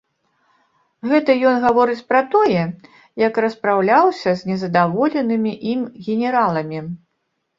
Гэта ён гаворыць пра тое, як распраўляўся з нездаволенымі ім генераламі.